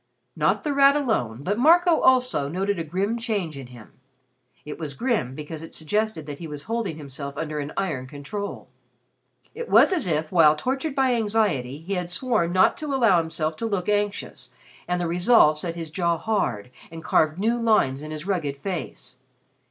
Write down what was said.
Not The Rat alone but Marco also noted a grim change in him. It was grim because it suggested that he was holding himself under an iron control. It was as if while tortured by anxiety he had sworn not to allow himself to look anxious and the resolve set his jaw hard and carved new lines in his rugged face.